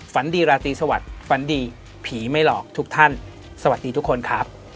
ฝันดีราตรีสวัสดิ์ฝันดีผีไม่หลอกทุกท่านสวัสดีทุกคนครับ